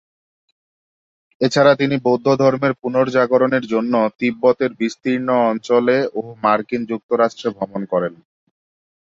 এছাড়া তিনি বৌদ্ধ ধর্মের পুনর্জাগরণের জন্য তিব্বতের বিস্তীর্ণ অঞ্চলে ও মার্কিন যুক্তরাষ্ট্রে ভ্রমণ করেন।